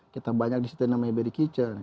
kita banyak di situ namanya very kitchen